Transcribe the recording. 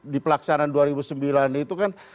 di pelaksanaan dua ribu sembilan itu kan